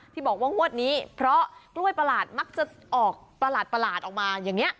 ที่บอกว่างวดนี้เพราะกล้วยประหลาดมักจะออกประหลาดออกมาอย่างนี้